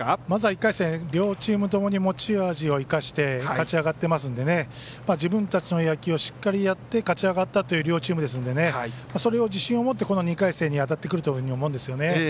まずは１回戦両チームともに持ち味を生かして勝ち上がってますので自分たちの野球をしっかりやって勝ちあがったという両チームなのでそれを自信を持って２回戦に当たってくると思うんですよね。